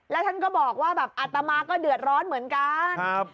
แล้วท่านก็บอกว่าแบบอัตมาก็เดือดร้อนเหมือนกัน